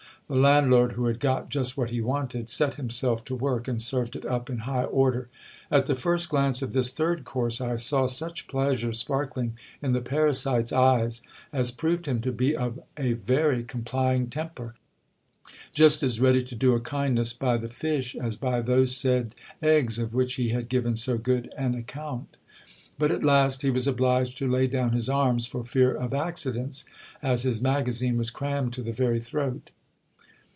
The landlord, who had got just what he wanted, set himself to work, and served it up in high order. At the first glance of this third course I saw such pleasure sparkling in the parasite's eyes, as proved him to be of a very i complying temper ; just as ready to do a kindness by the fish, as by those said GIL BLAS. eggs of which he had given so good an account. But at last he was obliged to lay down his arms for fear of accidents ; as his magazine was crammed to the very throat.